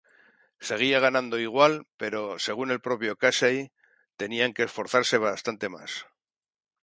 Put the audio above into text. Seguía ganando igual pero según el propio Casey, tenía que esforzarse bastante más.